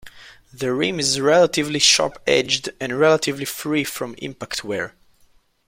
The rim is relatively sharp-edged and relatively free from impact wear.